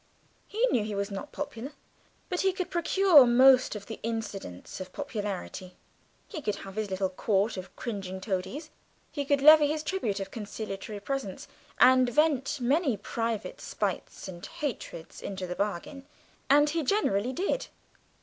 He knew he was not popular, but he could procure most of the incidents of popularity; he could have his little court of cringing toadies; he could levy his tribute of conciliatory presents, and vent many private spites and hatreds into the bargain and he generally did.